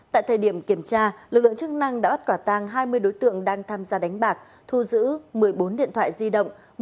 tại thời điểm kiểm tra lực lượng chức năng đã bắt quả tang hai mươi đối tượng đang tham gia đánh bạc thu giữ một mươi bốn điện thoại di động